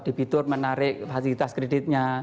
debitur menarik fasilitas kreditnya